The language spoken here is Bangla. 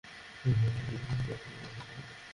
বলব যে ভাই ভালো মানুষ?